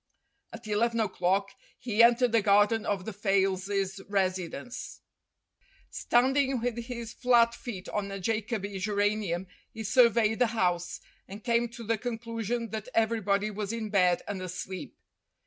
At eleven o'clock he entered the garden of the Fayles' residence. Standing with his flat feet on a Jacoby geranium he surveyed the house, and came to the conclusion that everybody was in bed and asleep.